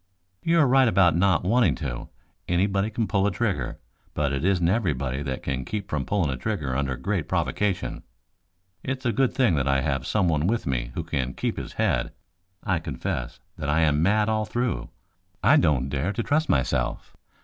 "You are right about not wanting to. Anybody can pull a trigger, but it isn't everybody that can keep from pulling a trigger under great provocation. It's a good thing that I have someone with me who can keep his head. I confess that I am mad all through. I don't dare to trust myself.